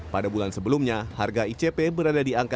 pada bulan sebelumnya harga icp berada di angka delapan puluh lima dua